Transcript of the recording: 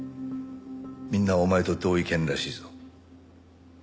みんなお前と同意見らしいぞ。